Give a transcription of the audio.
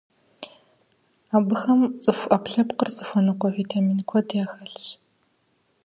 Абыхэм цӀыху Ӏэпкълъэпкъыр зыхуэныкъуэ витамин куэд яхэлъщ.